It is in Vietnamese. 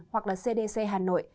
hoặc là cdc hà nội